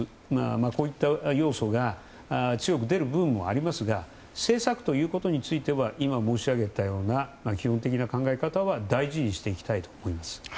こういった要素が強く出る部分もありますが政策ということについては今、申し上げたような基本的な考え方は大事にしていきたいと思います。